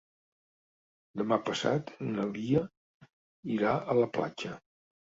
Demà passat na Lia irà a la platja.